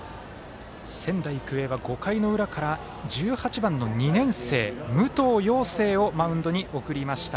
仙台育英は５回の裏から１８番の２年生、武藤陽世をマウンドに送りました。